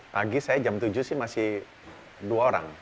pagi saya jam tujuh sih masih dua orang